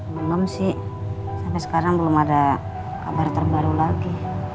belum sih sampai sekarang belum ada kabar terbaru lagi